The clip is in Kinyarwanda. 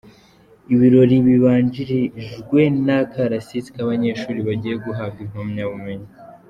Ibirori bibanjirijwe n’akarasisi k’abanyeshuri bagiye guhabwa impamyabumenyi.